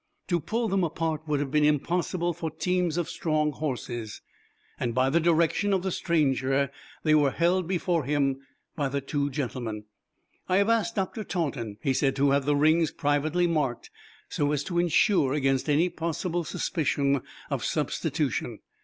To pull them apart would have been impossible for teams of strong horses. By the direction of the stranger they were held before him by the two gentlemen. "I have asked Dr. Taunton," he said, "to have the rings privately marked, so as to insure against any possible suspicion of substitution.